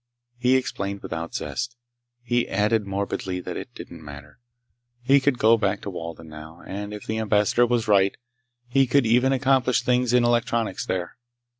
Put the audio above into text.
He explained without zest. He added morbidly that it didn't matter. He could go back to Walden now, and if the Ambassador was right he could even accomplish things in electronics there.